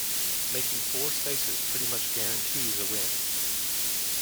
Making four spaces pretty much guarantees a win.